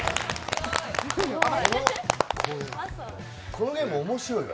このゲーム面白いわ。